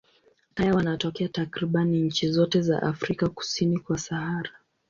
Taya wanatokea takriban nchi zote za Afrika kusini kwa Sahara.